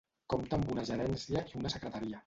Compta amb una Gerència, i una Secretaria.